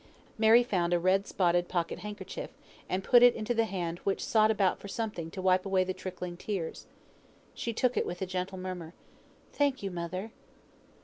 Mary found a red spotted pocket handkerchief, and put it into the hand which sought about for something to wipe away the trickling tears. She took it with a gentle murmur. "Thank you, mother."